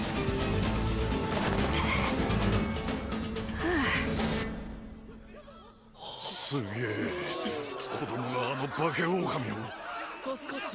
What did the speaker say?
ふう・すげえ子供があの化けオオカミを・助かった・